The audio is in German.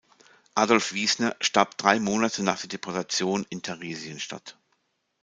Adolph Wiesner starb drei Monate nach der Deportation in Theresienstadt.